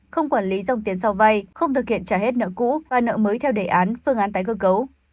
không quản lý dòng tiền sau vay không thực hiện trả hết nợ cũ và nợ mới theo đề án phương án tái cơ cấu